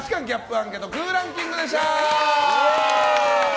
アンケート空欄キングでした。